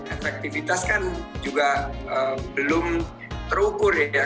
efektivitas kan juga belum terukur ya